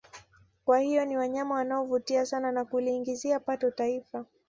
Kwa hiyo ni wanyama wanao vutia sana na kuliingizia pato taifa